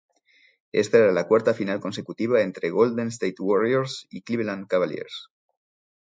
Esta era la cuarta final consecutiva entre Golden State Warriors y Cleveland Cavaliers.